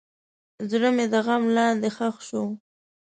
زړه مې د غم لاندې ښخ شو.